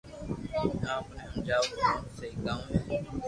آپ ني ھماجو ڪو سھو ڪاو ھي